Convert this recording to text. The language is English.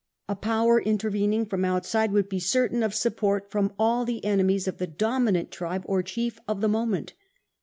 A power intervening from outside would be certain of support from all the enemies of the dominant tribe or chief of the moment.